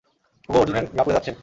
ওগো, অর্জুনের গা পুড়ে যাচ্ছে।